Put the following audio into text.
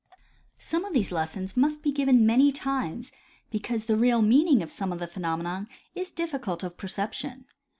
Some of these lessons must be given many times because the real meaning of some of the phenomena is difficult of percep tion.